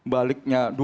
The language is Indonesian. baliknya dua ribu sekian